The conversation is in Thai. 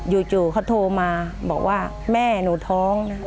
อยู่เขาโทรมาบอกว่าแม่หนูท้อง